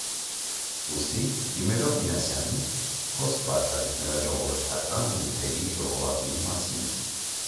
ուստի, դիմելով Մինասյանին, խոսք բաց արեց նրա ժողովրդական նյութերի ժողովածուի մասին: